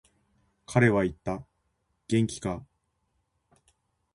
彼は言った、元気か。